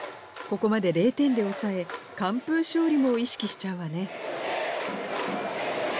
ここまで０点で抑え完封勝利も意識しちゃうわね。